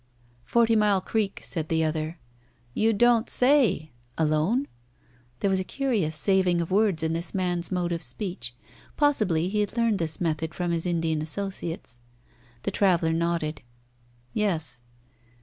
"Forty Mile Creek," said the other. "You don't say! Alone?" There was a curious saving of words in this man's mode of speech. Possibly he had learned this method from his Indian associates. The traveller nodded. "Yes."